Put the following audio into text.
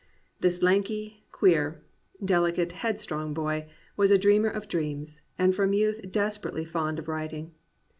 This lanky, queer, delicate, headstrong boy was a dreamer of dreams, and from youth desperately fond of writing.